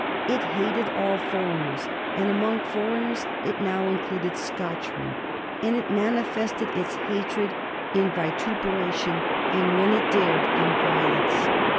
It hated all foreigners and among foreigners it now included Scotchmen and it manifested its hatred in vituperation, and when it dared in violence.